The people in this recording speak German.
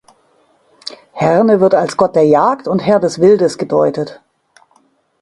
Herne wird als Gott der Jagd und Herr des Wildes gedeutet.